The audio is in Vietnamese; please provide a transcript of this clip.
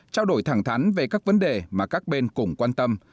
trao đổi thẳng thắn về các vấn đề mà các bên cùng quan tâm